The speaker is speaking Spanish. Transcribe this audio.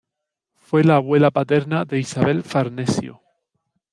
Fue la abuela paterna de Isabel Farnesio.